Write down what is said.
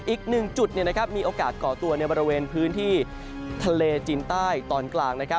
อีกหนึ่งจุดมีโอกาสก่อตัวในบริเวณพื้นที่ทะเลจีนใต้ตอนกลาง